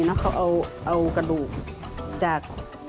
แล้วเขาเอากระดูกจาก